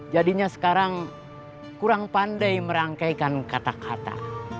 jadinya sekarang kurang pandai merangkaikan kata kata